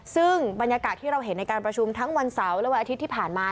ซึ่งบรรยากาศที่เราเห็นในการประชุมทั้งวันเสาร์และวันอาทิตย์ที่ผ่านมา